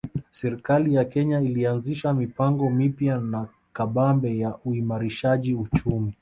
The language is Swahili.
Serikali ya Kenya ilianzisha mipango mipya na kabambe ya uimarishaji uchumi